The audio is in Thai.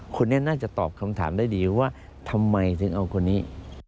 คนนี้น่าจะตอบคำถามได้ดีว่าทำไมถึงเอาคนนี้